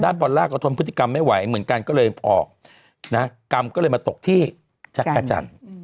ด้านพอลล่าก็ทนพฤติกรรมไม่ไหวเหมือนกันก็เลยออกกรรมมาตกที่ชะกะจั่น